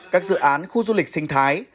các dự án khu du lịch sinh thái